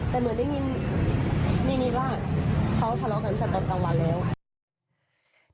แต่เหมือนได้ยินว่าเขาทะเลาะกันสักตอนกลางวันแล้วค่ะ